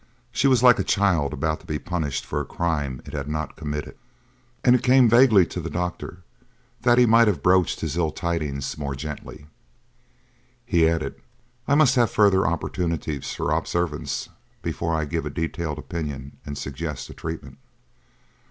She was like a child about to be punished for a crime it has not committed, and it came vaguely to the doctor that he might have broached his ill tidings more gently. He added: "I must have further opportunities for observance before I give a detailed opinion and suggest a treatment."